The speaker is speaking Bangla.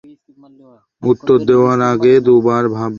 উত্তর দেওয়ার আগে দুবার ভাববে।